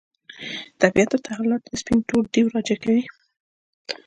طبیعت تحولات سپین تور دېو راجع کوي.